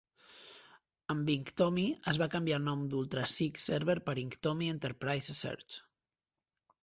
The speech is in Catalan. Amb Inktomi, es va canviar el nom d'Ultraseek Server per "Inktomi Enterprise Search".